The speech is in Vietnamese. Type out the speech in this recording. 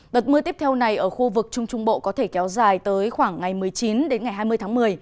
đợt mưa tiếp theo này ở khu vực trung trung bộ có thể kéo dài tới khoảng ngày một mươi chín đến ngày hai mươi tháng một mươi